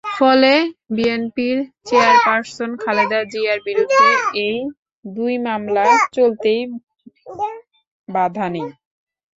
ফলে বিএনপির চেয়ারপারসন খালেদা জিয়ার বিরুদ্ধে এই দুই মামলা চলতে বাধা নেই।